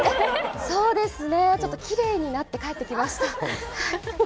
そうですね、ちょっときれいになって帰ってきました。